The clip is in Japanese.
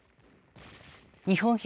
日本兵